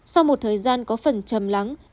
sau một thời gian có phần chầm lắng